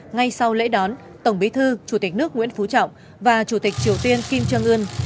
ngay sau lễ đón tổng bí thư chủ tịch nước nguyễn phú trọng và chủ tịch triều tiên kim jong un